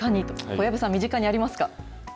小籔さん、身近にありますか？